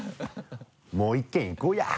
もう一軒行こうや。